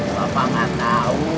bapak gak tau